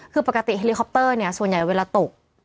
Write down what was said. คือปกติเฮลิคอปเตอร์เนี่ยส่วนใหญ่เวลาตก